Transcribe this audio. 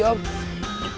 tuhan tuhan sampai mshirt